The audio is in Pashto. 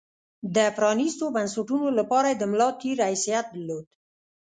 د پرانېستو بنسټونو لپاره یې د ملا تیر حیثیت درلود.